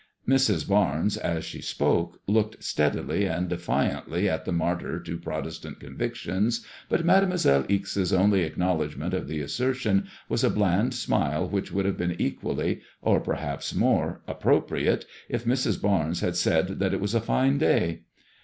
Mrs. Barnes, as she spoke. MADEMOISELLE IXE. 1 5 looked Steadily and defiantly at the martyr to Protestant con victions, but Mademoiselle Ixe's only acknowledgment of the assertion was a bland smile which would have been equally, or perhaps more, appropriate if Mrs. Barnes had said that it was a fine day.